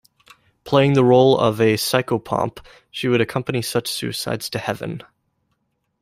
Playing the role of a psychopomp, she would accompany such suicides to heaven.